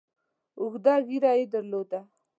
اوږده ږیره یې درلوده.